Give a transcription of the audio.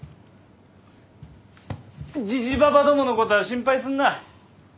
じじばばどものことは心配すんな。